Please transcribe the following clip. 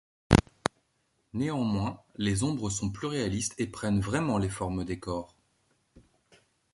Néanmoins, les ombres sont plus réalistes et prennent vraiment les formes des corps.